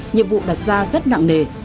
nhiệm vụ đặt ra rất nặng nề